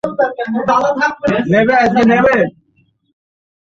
ভারত তিন বছরের মধ্যে তৈরি পোশাক রপ্তানিতে বাংলাদেশকে ছাড়িয়ে যাওয়ার একটি পরিকল্পনা নিয়েছে।